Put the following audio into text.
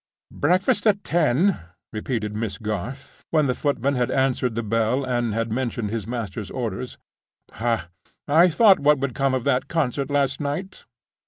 "Breakfast at ten?" repeated Miss Garth, when the footman had answered the bell, and had mentioned his master's orders. "Ha! I thought what would come of that concert last night.